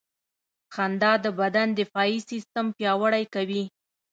• خندا د بدن دفاعي سیستم پیاوړی کوي.